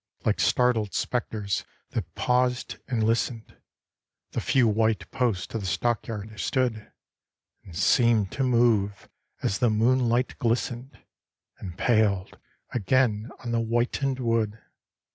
Like startled spectres that paused and listened, The few white posts of the stockyard stood; And seemed to move as the moonlight glistened And paled again on the whitened wood.